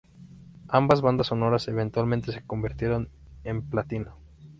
Ambas bandas sonoras eventualmente se convirtieron en platino.